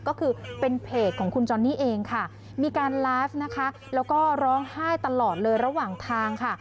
ก็คือเป็นเพจของคุณจอนนี่เองค่ะมีการไลฟ์นะคะแล้วก็ร้องไห้ตลอดเลยระหว่างทางค่ะ